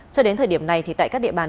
cho đến thời điểm này thì tại các địa bàn